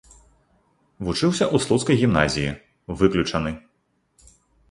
Вучыўся ў слуцкай гімназіі, выключаны.